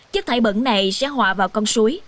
chất thải bẩn này sẽ họa vào con suối